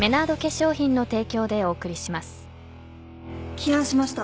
起案しました。